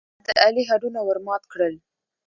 احمد د علي هډونه ور مات کړل.